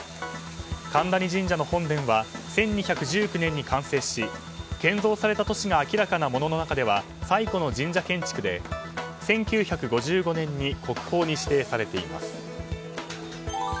神谷神社の本殿は１２１９年に完成し建造された年が明らかなものの中では最古の神社建築で、１９５５年に国宝に指定されています。